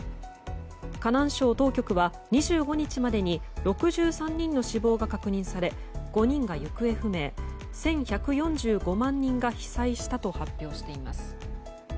河南省当局は、２５日までに６３人の死亡が確認され５人が行方不明１１４５万人が被災したと発表しています。